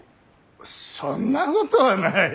そんなことはない。